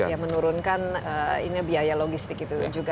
dan ini bisa menurunkan biaya logistik itu juga